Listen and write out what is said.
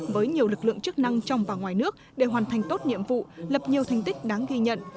với nhiều lực lượng chức năng trong và ngoài nước để hoàn thành tốt nhiệm vụ lập nhiều thành tích đáng ghi nhận